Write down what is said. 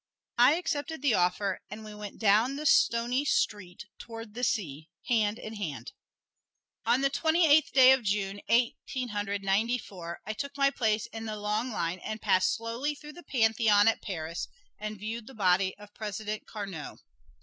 I accepted the offer, and we went down the stony street toward the sea, hand in hand. On the Twenty eighth day of June, Eighteen Hundred Ninety four, I took my place in the long line and passed slowly through the Pantheon at Paris and viewed the body of President Carnot.